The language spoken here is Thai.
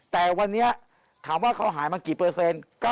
แต่วันนี้ถามว่าเขาหายมากี่เปอร์เซ็นต์